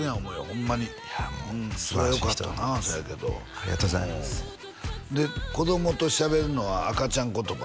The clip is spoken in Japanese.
ホントすばらしい人ホントよかったなそやけどありがとうございますで子供としゃべるのは赤ちゃん言葉？